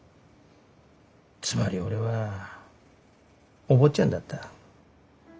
つまり俺はお坊ちゃんだった。